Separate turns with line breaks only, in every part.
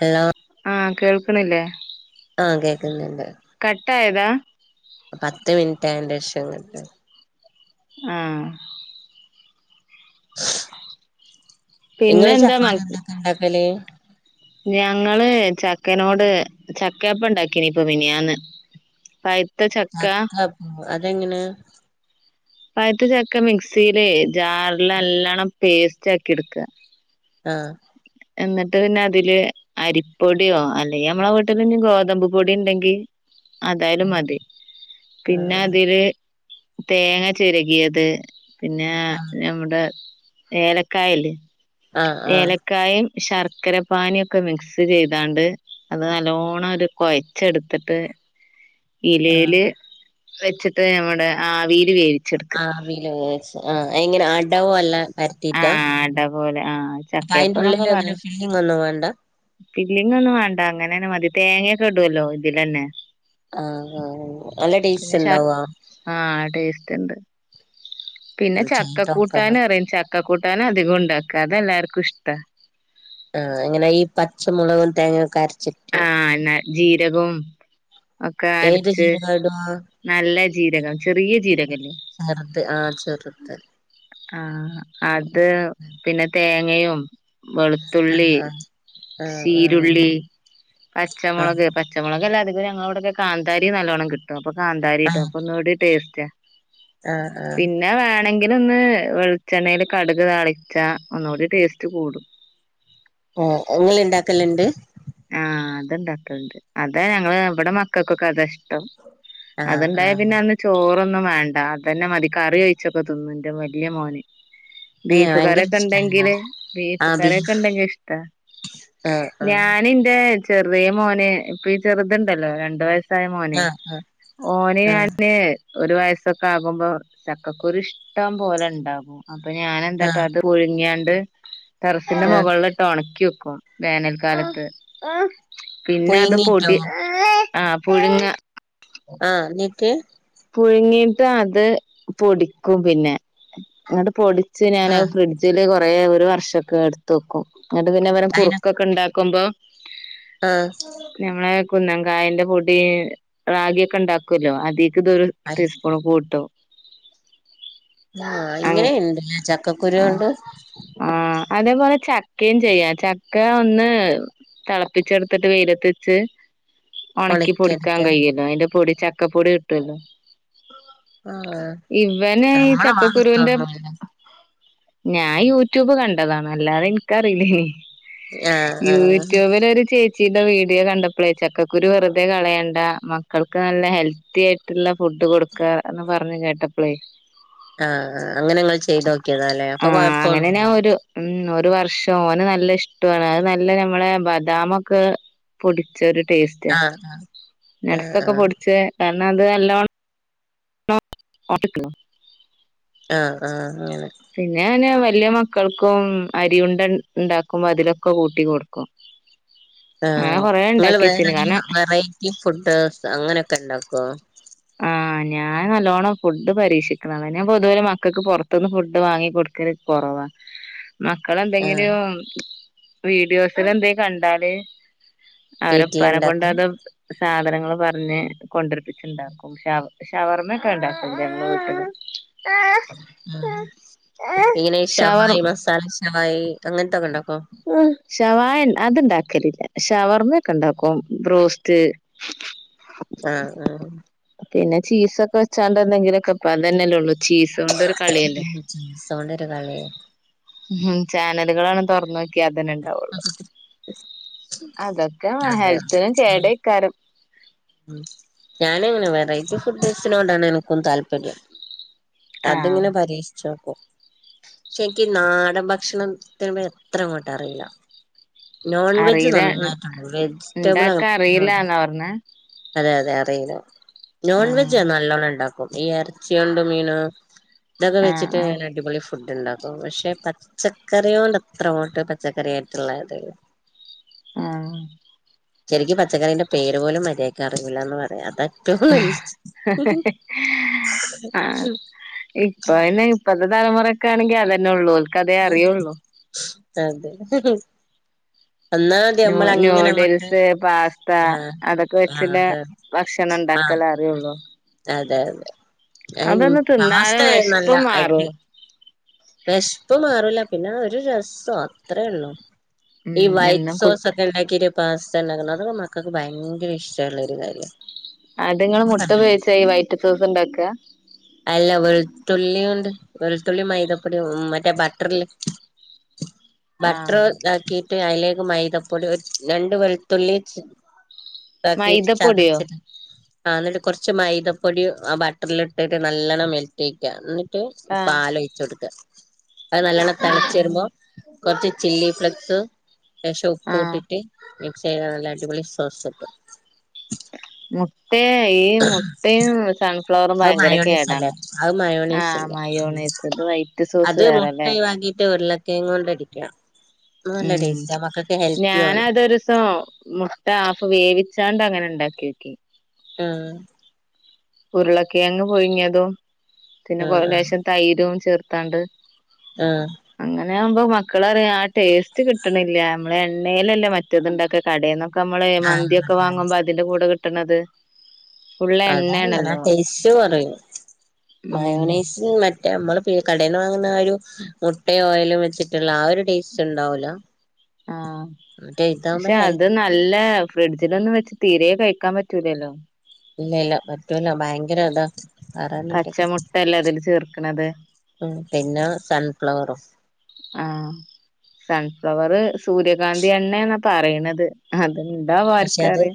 Hello
ആഹ് കേൾക്ക്ണില്ലേ
ആഹ് കേക്ക്ന്നുണ്ട്
കട്ടായതാ
പത്ത് മിനിറ്റ് ആയതിന്റെ ശേഷം കട്ടായി
ആഹ്
ഇങ്ങള്
പിന്നെന്താ
ചക്കോണ്ട്
മക്
എന്തൊക്കെ ഇണ്ടാക്കല്
ഞങ്ങള് ചക്കനോട് ചക്കയപ്പം ഇണ്ടാക്കിനി ഇപ്പൊ മിനിഞ്ഞാന്ന് [unintelligible]
ചക്കപ്പം അതെങ്ങനെ
പയ്ത്ത ചക്ക മിക്സിൽ ജാറില് നല്ലേണം പേസ്റ്റ് ആക്കി എടുക്കുക
ആഹ്
എന്നിട്ട് പിന്നെ അതില് അരിപ്പൊടിയോ അല്ലെങ്കി നമ്മളെ വീട്ടില് ഈ ഗോതമ്പ് പൊടി ഇണ്ടെങ്കില് അതായാലും മതി പിന്നെ
ആഹ്
അതില് തേങ്ങ ചെരകിയത് പിന്നെ
ആഹ്
നമ്മുടെ ഏലക്കായ് ഇല്ലേ
ആഹ് ആഹ്
ഏലക്കായും ശർക്കര പാനിയും ഒക്കെ മിക്സ് ചെയ്താണ്ട് അത് നല്ലോണ്ണം ഒരു കൊയച്ച് എടുത്തിട്ട്
ആഹ്
ഇലേല് വെച്ചിട്ട് ഞമ്മടെ ആവിയിൽ വേവിച്ചെടുക്ക
ആവിയിൽ വേവിച്ച് ആഹ് എങ്ങനെ അടപോലെ പര ത്തിട്ടാ
ആഹ് അട പോലെ ആഹ്
അപ്പ അയ്ന്റെ
ചക്കയപ്പന്നൊക്കെ
ഉള്ളില് അങ്ങനെ ഫീലിംഗ് ഒന്നും വേണ്ട
ഫില്ലിങ്ങ് ഒന്നും വേണ്ട അങ്ങനന്നെ മതി തേങ്ങയൊക്കെ ഇടുല്ലോ ഇതിലന്നെ
ആഹ് ആഹ് നല്ല
പിന്നെ
ടേസ്റ്റ്
ശർ
ഇണ്ടാവോ
ആഹ് ടേസ്റ്റ് ഇണ്ട് പിന്നെ ചക്ക
ചെയ്തോക്കണം
കൂട്ടാനറയും ചക്ക കൂട്ടാൻ അധികം ഇണ്ടാക്ക അതെല്ലാർക്കും ഇഷ്ട
ആഹ് അങ്ങനെ ഈ പച്ചമുളകും തേങ്ങക്കയൊക്കെ അര
ആഹ് എന്നാ ജീരകവും ഒക്കെ
ഏത്
അരച്ച്
ജീരകാ ഇടാ
നല്ല ജീരകം ചെറിയ ജീരകല്ലേ
ചെറുത് ആഹ് ചെറുത്
ആഹ് അത് പിന്നെ തേങ്ങയും വെളുത്തുള്ളി
ആഹ് ആഹ് ആഹ്
ചീരുള്ളി പച്ചമുളക്
ആഹ്
പച്ചമുളകല്ല അധികം ഞങ്ങളവിടൊക്കെ കാന്താരി നല്ലോണം കിട്ടും അപ്പൊ കാന്താരിയിടും
ആഹ്
അപ്പൊ ഒന്നൂടി ടേസ്റ്റാ
ആഹ് ആഹ്
പിന്നെ വേണെങ്കിലൊന്ന് വെളിച്ചെണ്ണയിൽ കടുക് താളിച്ചാ ഒന്നൂടി ടേസ്റ്റ് കൂടും
ആഹ് ഇങ്ങള് ഇണ്ടാക്കല് ഇണ്ട്
ആഹ് അത് ഇണ്ടാക്കലുണ്ട് അതാ ഞങ്ങള് ഇവിടെ മക്കൾക്കൊക്കെ അതാ ഇഷ്ടം അത്
ആഹ്
ഇണ്ടായ
ആഹ്
പിന്നെ അന്ന് ചോറൊന്നും വേണ്ട അത് തന്നെ മതി കറി ഒഴിച്ചൊക്കെ തിന്നും എന്റെ വലിയ മോന്
ഏഹ്
ബീഫ്
ഭയങ്കര
കറിയെക്കെ
ഇഷ്ടാല്ലേ
ഇണ്ടെങ്കില് ബീഫ് കറിയൊക്കെ ഇണ്ടെങ്കിൽ ഇഷ്ടാ
ആഹ് ആഹ്
ഞാൻ എന്റെ ചെറിയ മോന് ഇപ്പൊ ഈ ചെറുതുണ്ടല്ലോ രണ്ടു വയസ്സു സ്റ്റായ മോന്
ആഹ് ആഹ്
ഓന് ഞാന് ഒരു വയസ്സൊക്കെ ആകുമ്പോ ചക്കക്കുരു ഇഷ്ടം പോലെ ഇണ്ടാവും അപ്പൊ
ആഹ്
ഞാനെന്താട്ടും
ആഹ്
അത് പുഴുങ്ങിയാണ്ട് ടെറസിന്റെ
ആഹ്
മുകളില് ഇട്ട് ഉണക്കി വെക്കും വേനൽക്കാലത്ത് പിന്നെ അത്
പുഴുങ്ങീട്ടോ
പൊടി ആഹ് പുഴുങ്ങ
ആഹ് എന്നിട്ട്
പുഴുങ്ങീട്ട് അത് പൊടിക്കും പിന്നെ അങ്ങട്ട് പൊടിച്ച് ഞാൻ
ആഹ്
ഫ്രിഡ ജില് കൊറേ ഒരു വർഷൊക്കെ എടുത്ത് വെക്കും എന്നിട്ട് പിന്നെ ഇവരെ
അയിന്
കുറുക്കൊക്കെ ഉണ്ടാക്കുമ്പോ
ആഹ്
ഞമ്മളെ കുന്നം കായിന്റെ പൊടി റാഗിക്കെ ഉണ്ടാക്കല്ലോ അതിക്ക് ഇതൊരു
അയി
ടീസ്പൂൺ കൂട്ട.
ആഹ്
അങ്ങ്
ഇങ്ങനെണ്ട്
ആഹ്
ചക്കക്കുരുണ്ട്.
ആഹ് അതേപോലെ ചക്ക ചെയ്യാ ചക്ക ഒന്ന് തിളപ്പിച്ചെടുത്തിട്ട് വെയിലത്ത്ച്ച് ഒണക്കി പൊടിക്കാൻ
ഒണക്കിയെടുക്ക
കഴല്ലോ അയ്ന്റെ പൊടി ചക്കപ്പൊടി കിട്ടുല്ലോ.
ആഹ്
ഇവന ഈ
നമ്മളെ
ചക്കക്കുരുന്റെ
ഭാഗത്തൊന്നുല്ല
ഞാൻ യൂട്യൂബ് കണ്ടതാണ് അല്ലാതെ എനിക്കറിയില്ലനി.
ആഹ് ആഹ്
യൂടൂബിലൊരു ചേ ച്ചിടെ വീഡിയോ കണ്ടപ്പളേ ചക്കുരു വെറുതെ കളയണ്ട മക്കൾക്ക് നല്ല ഹെൽത്തി ആയി ട്ടിള്ള ഫുഡ് കൊടുക്കാ ന്ന് പറഞ്ഞ് കേട്ടപ്പളേ
ആഹ് അങ്ങനെങ്ങ ചെയ്തക്കിയതാല്ലെ അപ്പൊ
ആഹ്
കൊഴപ്പൊ
അങ്ങനെ ഞാൻ ഒരു ഉം ഒരു വർഷം ഓന് നല്ല ഇഷ്ടണ് അത് നല്ല നമ്മളെ ബദാമക്കെ പൊടിച്ച ഒരു ടേസ്റ്റ
ആഹ് ആഹ്
നട്സൊക്കെ
ആഹ്
പൊടിച്ച തന്നെ അത് നല്ലോ [unintelligible]
ആഹ് ആഹ് അങ്ങനെ
പിന്നെ അങ്ങനെ വല്യ മക്കൾക്കും അരിയുണ്ട ഉണ്ടാക്കുമ്പോ അതിലൊക്കെ കൂട്ടി കൊടുക്കും. അങ്ങനെ
ആഹ്
കൊറേ
ഇങ്ങൾ
ഉണ്ടാക്കി വെച്ചിന്
വേറെങ്ങനെ
കാരണം
വെറൈറ്റി ഫുഡ് അങ്ങനക്കെ ഉണ്ടാക്കോ?
ആഹ് ഞാ നല്ലോണം ഫുഡ് പരീക്ഷിക്കുന്ന ഞാൻ പൊതുവലെ മക്കക്ക് പുറത്തുനിന്ന് ഫുഡ് വാങ്ങി കൊട് ക്കല് കൊറവ. മക്കൾ
ആഹ്
എന്തെങ്കിലും വീഡിയോസൽ എന്ത കണ്ടാല് അവരൊപ്പനെ
വീട്ടിലുണ്ടാക്കും
കൊണ്ടത് സാധനങ്ങൾ പറഞ്ഞ് കൊണ്ടരിപ്പിച്ചുണ്ടാക്കും. ശ ഷവർമ്മൊക്കെണ്ടക്കും വീ
ഇങ്ങനെ
ഷവർ
ശവായി മസാല ശവായി അങ്ങനത്തൊക്കെ ഉണ്ടാക്കോ?
ശവായ അത്ണ്ടാക്കലില്ല ഷവർമ്മ ഒക്കെണ്ടാക്കും ബ്രോസ്റ്റ്.
ആഹ് ആഹ്
പിന്നെ ചീസൊക്കെ വെച്ചാണ്ടന്തെങ്കിലൊക്കെ പ്പ്തന്നെല്ലേള്ളൂ ചീസ കൊണ്ട
സോണ്ടൊരു കളിയ.
ഉം ചാനലുകളാണ് തുറന്ന അതെന്നെ ഉണ്ടാവുള്ളു അതൊക്കെ
ആഹ്
ഹെൽത്തിന്
ഉം
കേടക്കാരം.
ഉം ഞാനങ്ങനെ വെറൈറ്റി ഫുഡ്സിനോടാണ് എനിക്ക താല്പര്യം.
ആഹ്
അതിങ്ങനെ പരീക്ഷിച്ചക്കും. പക്ഷെനിക്ക് നാടൻ ഭക്ഷണത്തിന് എത്രങ്ങട്ടും അറില്ല. നോൺ വെജ്
അറിയില്ല
നന്നായിട്ടു വെജിറ്റബിൾ അ
റനെ
അതെ അതെ അറില
ആഹ്
നോൺവെജാ നല്ലോണം ണ്ട ക്കും ഈ ഇറച്ചിയണ്ട് മീന ഇതൊക്കെ വെച്ചിട്ട്
ആഹ്
ഞാൻ
ആഹ്
അടിപൊളി ഫുഡ് ണ്ടാ ഓഹ് പക്ഷെ പച്ചക്കറി കൊണ്ടത്ര ങട്ട് പച്ചക്കറി ആയിട്ടുള്ള തല്ല
ആഹ്
ശെരിക്കും പച്ചക്കറിന്റെ പേര് പോലും മര്യായ്ക്കറിയുല്ലന്ന് പറയാ അത [unintelligible]
ഇപ്പഅന്നെ ഇപ്പത്തെ തലമുറക്കെ ആണെങ്ക അതന്നെള്ളൂ.
അതെ ഒന്നാമത്
ന്യൂ
നമ്മൾ അങ്ങനെ അങ്ങോട്ട്
ന്യൂഡിൽസ് പാസ്ത
ആഹ്
അതൊക്കെ
ആഹ്
വെച്ചില്ല
അതെ
ഭക്ഷണം
ആഹ്
ഉണ്ടാക്കല അറിള്ളൂ.
അതെ അതെ അയ്നും
തിന്നാല്
പാസ്ത നല്ല
വിശപ്പ് മാറും
അടി വിശപ്പ് മാറൂല പിന്നെ ഒരു രസവാ അത്രേള്ളൂ ഈ
ഉം
വൈറ്റ്
എന്നും കു
സോസ ക്കെണ്ടാക്കിരി പാസ്ത ഉണ്ടാക്ന്ന അതൊക്ക മക്കൾക്ക് ഭയങ്കര ഇഷ്ടമുള്ള ഒരു കാര്യവാ
അത്ങ്ങള് മുട്ട വെച്ച ഈ വൈറ്റ് സോസ് ഉണ്ടാക്ക
അല്ല വെുത്തുള്ളിയോണ്ട് വെളുത്തുള്ളി മൈദ പ്പൊടി മ് മറ്റേ ബട്ടറ്ല് ബട്ടർ
ആഹ്
ഇതാക്കി ട്ട് അയ്ലേക്ക് മൈദപ്പൊടി രണ്ടു വെളുത്തുള്ളി ചേ ണ്ടാക്കി
മൈദപ്പൊടിയോ
ചതച്ചിട്ട് ആ എന്നിട്ട് കുറച്ച് മൈദപ്പൊടി ആ ബട്ടറില് ഇട്ടിട്ട് നല്ലണ്ണം മെൽറ്റെയ്ക്ക എന്നിട്ട് ട്ട്
ആഹ്
പാല് ഒഴിച്ച് കൊടുക്ക അത് നല്ലണ്ണം
ആഹ്
തിളച്ച് വരുമ്പോ
ആഹ്
കൊറച്ച് ചില്ലി ഫ്ലക്സ് ശേഷം ഉപ്പും
ആഹ്
ഇട്ടിട്ട് മിക്സ് ചെയത നല്ല അടിപൊളി സോസ് കിട്ടും
മൊ മറ്റേ ഈ മൊട്ടയും സൺഫ്ലവറും
അത്
ഭയങ്കര
മയോണൈസ്
കേടാണ്
അല്ലേ അത് മയോണൈസ്
ആഹ്
അല്ലേ
മയോണൈസ് ഇത് വൈറ്റ് സോസ് വേറെല്ലേ
കിഴങ്ങ് കൊണ്ടടിക്ക
ഉം
ആണ്
ഞാനതൊരുസം മൊ ട്ട ആഫ് വേവിച്ചാണ്ട് അങ്ങനെ ഉണ്ടാക്കി നോക്കി
ആഹ്
ഉരുളക്കെഴങ്ങ് പുഴിങ്ങതും പിന്നെ
ഉം ഉം
ലേശം തൈരും ചേർത്താണ്ട്
ആഹ്
അങ്ങനെയാകുമ്പോ മക്കളറിയ ആ ടേസ്റ്റ് കിട്ടണില്ല നമ്മളെണ്ണയിലല്ലേ മറ്റേത്ണ്ടാക്ക കടയിൽന്നൊക്കെ നമ്മള്
ആഹ്
മന്തിയൊക്കെ
അതാണ്
വാങ്ങുമ്പോ അതിന്റെ കൂടെ കിട്ടണത് ഫുള്ള് എണ്ണയാണ്
അതാണ് ടേസ്റ്റ് കുറയും മയോ
ഉം
മയോണൈസ് മറ്റേ നമ്മള് കടേന്ന് വാങ്ങുന്ന ആ ഒരു മുട്ടയും ഓയിലും വെച്ചിട്ടുള്ള ആ ഒരു ടേസ്റ്റ് ഉണ്ടാവൂല
ആഹ്
മറ്റേ ഇതാകുമ്പോ ഹെൽ
ഫ്രിഡ്ജിലൊന്ന് വെച്ച് തീരേ കഴിക്കാൻ പറ്റൂലല്ലോ
ഇല്ല ഇല്ല പറ്റൂല ഭയങ്കര ഇതാ പറയണട്ടേക്ക
പച്ചമുട്ട ല്ലെ അതില് ചേർക്കണത്
ഉം പിന്നെ സൺഫ്ലവറും
ആഹ് സൺഫ്ലവറ് സൂര്യകാന്തി എണ്ണന്നാ പറയണത് അത് ണ്ടാവോ ആർക്കറിയാ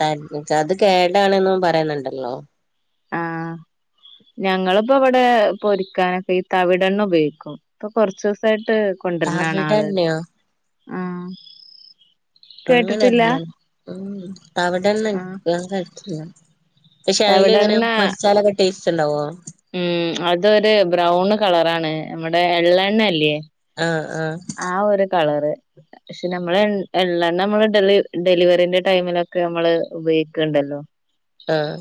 തൻ ച്ചത് കേടാണുന്നും പറയുന്നുണ്ടല്ലോ
ആഹ് ഞങ്ങളിപ്പോ ഇവിടെ പൊരിക്കാനൊക്കെ ഈ തവിടെണ്ണ ഉപയോഗിക്കും ഇപ്പൊ കൊറച്ചു ദെവസായിട്ട് കൊണ്ടുവരുന്നാണാ ആള്
തവിടെണ്ണയോ
ആഹ്
അങ്ങനെ
കേട്ടിട്ടില്ല
ഒരെണ്ണ ഉ തവിടെണ്ണ
ആഹ്
ഞാൻ കഴിച്ചിട്ടില്ല പക്ഷെ അയ്ല്ങ്ങനെ
തവിടെണ്ണ
പൊരിച്ചാലൊക്കെ ടേസ്റ്റ് ഉണ്ടാവോ
ഉം അതൊരു ബ്രൗണ് കളറാണ് നമ്മടെ എള്ള എണ്ണ ഇല്ലേ
ആഹ് ആഹ്
ആ ഒരു കളറ് പക്ഷെ നമ്മള് എള്ളെണ്ണ നമ്മള് ഡെ ഡെലിവറിന്റെ ടൈമിലൊക്കെ നമ്മള് ഉപയോഗിക്കണ്ടല്ലോ
ആഹ്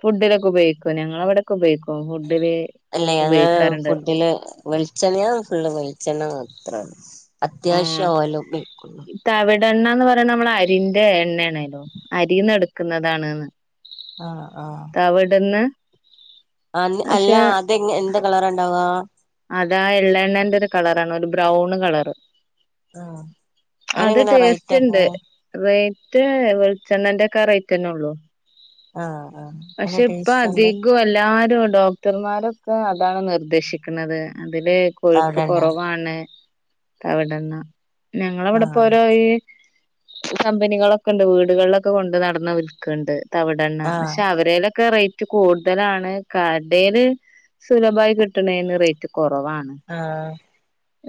ഫുഡിലൊക്കെ ഉപയോഗിക്കൊ ഞങ്ങളവിടെക്കെ ഉപയോഗിക്കു ഫുഡില്
അല്ല ഞങ്ങള്
ഉപയോഗിക്കാറുണ്ട്
ഫുഡില് വെളിച്ചെണ്ണയാ ഫുള്ള് വെളിച്ചെണ്ണ മാത്രം അത്യാവശ്യ ഓയല് ഉപയോഗിക്കുള്ളു
തവിടെണ്ണാന്ന് പറയണ നമ്മള അരിന്റെ എണ്ണേ ണല്ലോ അരീന്ന് എടുക്കുന്നതാണ്ന്ന്
ആ ആഹ്
അവിടന്ന്
ആന്ന് അല്ലാ അത്ങ് എന്ത് കളറാ ണ്ടാവാ
അതാ എള്ള ണ്ണേന്റെ ഒരു കളറാണ് ഒരു ബ്രൗണ് കളറ്
ആഹ്
അത്
അയിനെങ്ങനാ
ടേസ്റ്റ് ണ്ട്
റേറ്റൊക്കെ
റേറ്റ് വെളിച്ചെണ്ണേന്റൊക്കാ റേറ്റെ ന്നെ ഉള്ളൂ
ആഹ് ആഹ് നല്ല
പക്ഷെ ഇപ്പ
ടേസ്റ്റ് ഉണ്ട്
അധികോ എല്ലാരു ഡോ ടർമാരൊക്കെ അതാണ് നിർദേശിക്ക്ണത് അതില് കൊഴുപ്പ്
അവിടെന്നെ
കൊറവാണ് തവിടണ്ണ.
ആഹ്
ഞങ്ങളവിടെപ്പോലോയീ കമ്പനികളൊക്കെ ണ്ട് വീടുകളിലൊക്കെ കൊണ്ട് നടന്ന് വിൽക്കണ്ട് തവിടെണ്ണ
ആഹ്
പക്ഷെ അവരേലൊക്കെ റേ റ്റ് കൂടുതലാണ് കടെല് സുലഭായി കിട്ടണേന്ന് റേറ്റ് കുറവാണ്
ആഹ്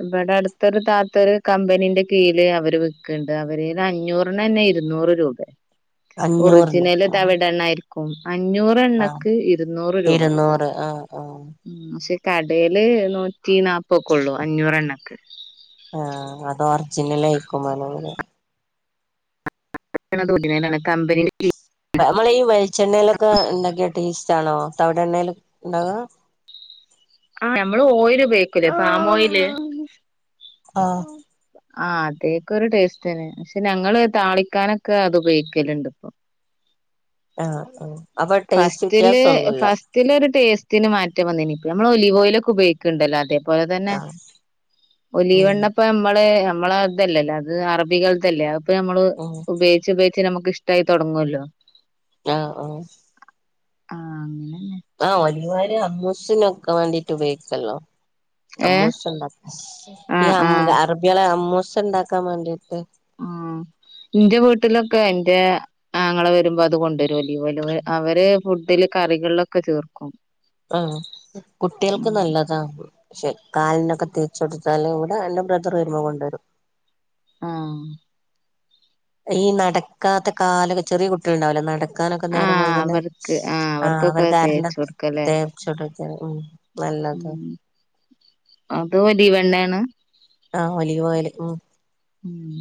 ഇബട ടുത്തൊരു താത്ത ഒരു കമ്പനീന്റെ കീഴില് അവര് വിക്കണ്ട് അവരേല് അഞ്ഞൂറ് ണ്ണന്നേ ഇരുനൂറ് രൂപ
[inaudible] അഞ്ഞൂറിന്
ഒറ്ജിനല് തവിടെണ്ണായിരിക് ക്കും അഞ്ഞൂറ്
ആഹ്
എണ്ണക്ക് ഇരുനൂറ് രൂപ
ഇരുന്നൂറ് ആഹ് ആഹ്
ഉം പക്ഷേ കടേല് നൂറ്റി നാല്പൊക്കെ ള്ളൂ അഞ്ഞൂറെണ്ണക്ക്
ആഹ് അത് ഒറിജിനലാ യിക്കും വേണെങ്കില്
[unintelligible] കമ്പനിൻ്റ
പ നമ്മളീ വെളിച്ചെണ്ണയിലൊക്കെ ഇണ്ടാക്കിയ ടേസ്റ്റാണോ തവിടെണ്ണേല് ക് ഇണ്ടാക
ആഹ് നമ്മള് ഓയില് ഉപയോഗിക്കൂലേ പാമോയില്
ആഹ്
ആഹ് അതേക്കൊരു ടേസ്റ്റന്നെ പക്ഷെ ഞങ്ങള് താളിക്കാനൊക്കെ അത് ഉപയോഗിക്കല്ണ്ട് പ്പൊ
ആഹ് ആഹ് അപ്പൊ ടേയ്സ്റ്റ് വ്യത്യാസ ഒന്നുമില്ല
ത്തിലൊരു ടേസ്റ്റ്ന് മാറ്റം വന്നെനിക്ക്. നമ്മള് ഒലിവോ യിലൊക്കെ ഉപയോഗിക്കണിണ്ടല്ലോ അതെ പോലെ തന്നെ.
ആഹ് ഉം
ഒലിവെണ്ണ പ്പ നമ്മളെ നമ്മള തല്ലല്ലോ അത് അറബികളതല്ലേ അഹ്പ്പൊ നമ്മള്
ഉം
ഉപയോഗിച്ച് ഉപയോഗിച്ച് നമുക്ക് ഇഷ്ടായി തുടങ്ങുവല്ലോ
ആഹ് ആഹ്
ആഹ് അങ്ങനെ
ആഹ് ഒലിവോയില് അമ്മൂസിനൊക്കെ വേണ്ടീട്ട് ഉപയോഗിക്കല്ലോ
ഏ
അമ്മൂസ് ണ്ടാക്ക ഈ
ആഹ്
അമ്മു
ആഹ്
അറബിളെ അമ്മൂസ് ണ്ടാക്കാ വേണ്ടിട്ട്
ആഹ്
[inaudible]
ഇന്റെ വീട്ടിലൊക്കെ ഇന്റെ ആങ്ങള വരുമ്പോ അത് കൊണ്ട് വരു ഒലിവോയില് അവര് ഫുഡില് കറികളിലൊക്കെ ചേർക്
ആഹ്
ഉം
കുട്ട്യാൾക്ക് നല്ലതാ പക്ഷെ കാലിനൊക്കെ തേച്ചു കൊടുത്താല് ഇവിടെ എൻ്റെ ബ്രദർ വരുമ്പോ കൊണ്ട് വരും
ആഹ്
ഈ നടക്കാത്ത കാലൊക്കേ ചെറിയ കുട്ടികളുണ്ടാവൂലെ നട ക്കാനൊക്കെ നേരം
ആഹ്
വൈകുന്നേ
അവർക്ക്
ആഹ്
അവർക്കൊക്കെ
അവര്
തേച്ച് കൊടുക്കല്ലേ
കറന്റ് ചുട്ടൊക്കേ ഉം നല്ലതാ
ഉം അത് ഒലിവെണ്ണയാണ്
ആഹ് ഒലിവോയില് ഉം
ഉം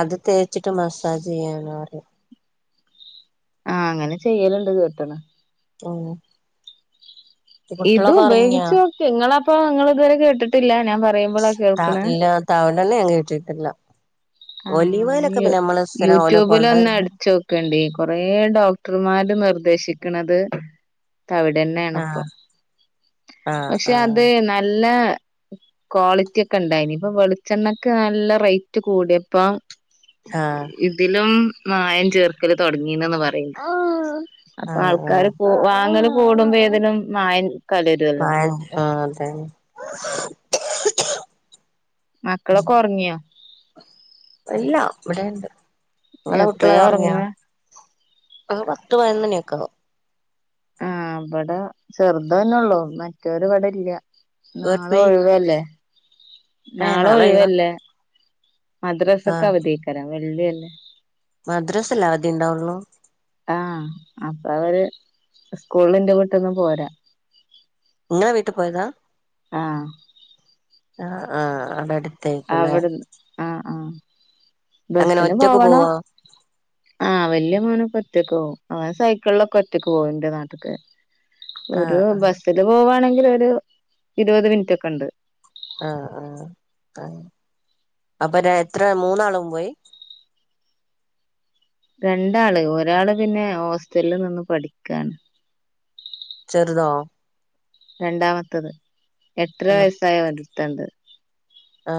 അത് തേച്ചിട്ട് മസാജ് ചെയ്യാണ് അവര്
ആഹ് അങ്ങനെ ചെയ്യലിണ്ട് കേക്കണ്
ഉം
ഇത്
കുട്ടികളൊക്കെ ഉറങ്ങിയാ
ഉപയോഗിച്ചു നോക്ക് നിങ്ങള് അപ്പ നിങ്ങള് ഇതുവരെ കേട്ടിട്ടില്ല ഞാൻ പറയുമ്പോളാ കേൾക്കണേ
തവണേണ്ണ ഞാൻ കേട്ടിട്ടില്ല ഒലിവോയിലൊക്കെ
ആഹ്
പിന്നെ നമ്മള് സ്ഥിരം ഓല്
യൂട്യൂബില് ഒന്ന്
കൊണ്ടരുമ്പോ
അടിച്ചു നോ നോക്കേണ്ടീ കൊറേ ഡോക്ടർമാര് നിർദേശിക്കണത് തവിടെണ്ണയാണിപ്പൊ
ആഹ് ആഹ്
പക്ഷെ
ആഹ്
അത് നല്ല ക്വാളിറ്റി ഒക്കെ ഇണ്ടായിനി ഇപ്പൊ വെളിച്ചെണ്ണക്ക് നല്ല റേറ്റ് കൂടിയപ്പോ
ആഹ്
ഇതിലും മായം ചേർക്കല് തുടങ്ങീണ് പറയ്ണ്ട് അപ്പൊ
ആഹ് ആഹ്
ആൾക്കാര് പോ വാങ്ങല് പോവലും ഒന്നും ഏതലും മായ
മായം ആഹ് അതെ
മക്കളൊക്കെ ഉറങ്ങിയോ
ഇല്ല ഇവിടെണ്ട് നിങ്ങളെ കുട്ടികള്
എപ്പഴാ
ഉറങ്ങിയാ
ഒറങ്ങാ
ആഹ് പത്ത് പതിനൊന്നു മണി ഒക്കെ ആവും
ആഹ് ഇവിടെ ചെറുത് തന്നെള്ളൂ മറ്റവര് ഇവിടെ ഇല്ല നാളെ
അവർക്ക്
ഒഴിവല്ലേ
ഏഹ്
നാളെ
ഒഴിവാ
ഒഴിവല്ലേ മദ്രസക്ക് അവധി ഏയ് കാരം വെള്ളിയല്ലേ
മദ്രസല്ല അവധി ഉണ്ടാവുള്ളൂ
ആഹ് അപ്പൊ അവര് സ്കൂളിന്ന് എന്റെ വീട്ട്ന്നും പോരാ
ഇങ്ങള വീട്ടി പോയതാ
ആഹ്
ആ ആ അതടി
അവിടുന്ന് ആഹ് ആഹ്
അങ്ങനെ
ബസിന്
ഒറ്റക്ക്
പോവണം
പോവാ
ആഹ് വല്യ മോനക്കെ ഒറ്റക്ക് പോവും അവൻ സൈക്കിളിലൊക്കെ ഒറ്റക്ക് പോവും എന്റെ നാട്ട്ക്ക് ഒരു
ആഹ് ആഹ്
ബസില് പോവാവാണെങ്കില് ഒരു ഇരുപത് മിനിറ്റ് ഒക്കെ ഉണ്ട്
ആഹ് ആഹ് ആ അപ്പൊ എത്ര മൂന്നാളും പോയി
രണ്ടാള് ഒരാള് പിന്നെ ഹോസ്റ്റലിൽ നിന്ന് പഠിക്കാണ്
ചെറുതോ
രണ്ടാമത്തത് എട്ടര വയസായ ഒരുത്തണ്ട്
ആ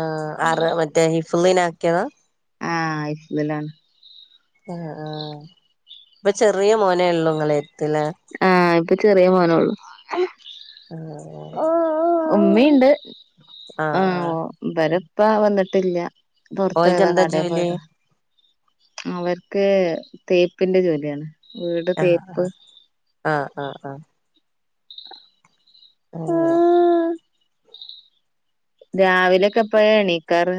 ആറ് മറ്റേ ഹിഫ്ളിന് ആക്കിയതാ
ആഹ് ഹിഫ്ളിലാണ്
ആ ആ ഇപ്പൊ ചെറിയ മോനേ ഒള്ളു നിങ്ങളെരുത്ത്‌ലെ
ആഹ് ഇപ്പൊ ചെറിയ മോന് ഒള്ളൂ
ആഹ്
ഉമ്മിണ്ട്
ആഹ് ആഹ്
ഇവരപ്പാ വന്നിട്ടില്ല പുറത്ത്
ഓൽക്ക്
പോയതാ
എന്താ
കടയിൽ
ജോലി
പോയതാ അവർക്ക് തേപ്പിന്റെ ജോലിയാണ് വീട്
ആഹ്
തേപ്പ്
ആഹ് ആഹ് ആഹ് ഓ
രാവിലെക്കെപ്പഴ എണീക്കാറ്